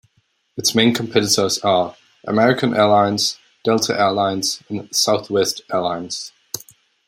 Its main competitors are American Airlines, Delta Air Lines, and Southwest Airlines.